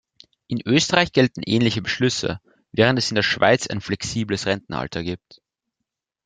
In Österreich gelten ähnliche Beschlüsse, während es in der Schweiz ein flexibles Rentenalter gibt.